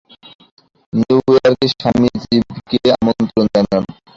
New ইয়র্কে স্বামীজীকে আমন্ত্রণ জানান।